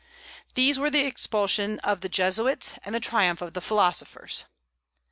These were the expulsion of the Jesuits, and the triumph of the philosophers.